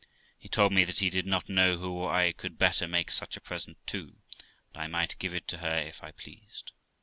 He told me that he did not know who I could better make such a present to, and I might give it to her if I pleased.